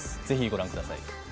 是非ご覧ください